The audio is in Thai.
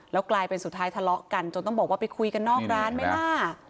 แล้วกลายเป็นสุดท้ายทะเลาะกันจนต้องบอกว่าไปคุยกันนอกร้านไหมล่ะ